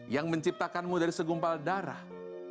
yang menciptakanmu dari segumpal darah